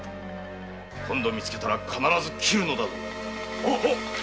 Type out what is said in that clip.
今度みつけたら必ず斬るのだ。